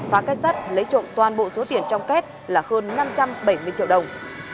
phá kết sắt lấy trộm toàn bộ số tiền trong kết là hơn năm trăm bảy mươi triệu đồng